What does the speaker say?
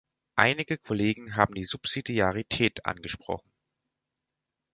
Einige Kollegen haben die Subsidiarität angesprochen.